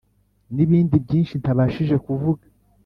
n’ibindi byinshi ntabashije kuvuga,